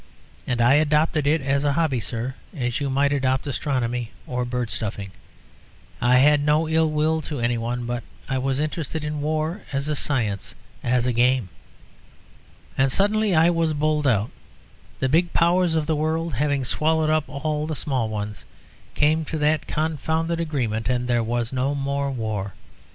And I adopted it as a hobby, sir, as you might adopt astronomy or bird stuffing. I had no ill will to any one, but I was interested in war as a science, as a game. And suddenly I was bowled out. The big Powers of the world, having swallowed up all the small ones, came to that confounded agreement, and there was no more war.